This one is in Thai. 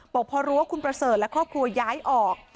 บอกพอรู้ว่าคุณประเสริฐและครอบครัวย้ายออก